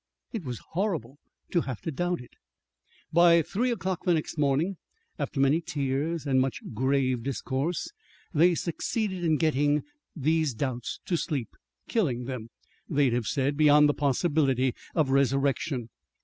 It was horrible to have to doubt it. By three o'clock the next morning, after many tears and much grave discourse, they succeeded in getting these doubts to sleep killing them, they'd have said, beyond the possibility of resurrection.